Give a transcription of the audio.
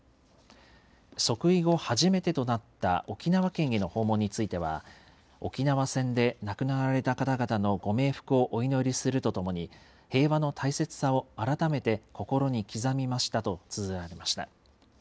即位後初めてとなった沖縄県への訪問については、沖縄戦で亡くなられた方々のご冥福をお祈りするとともに平和の大切さを改めて心に刻みましたとつづられました。